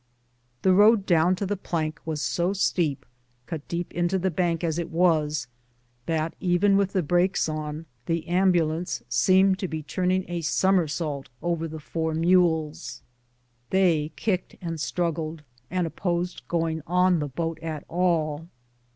The road down to the plank was so steep, cut deep into the bank as it was, that even witli the brakes on, the ambulance seemed to be turning a somersault over the four mules. They kicked and struggled, and opposed going on the boat at all.